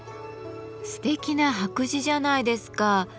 すてきな白磁じゃないですか。